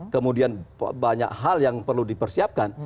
kemudian banyak hal yang perlu dipersiapkan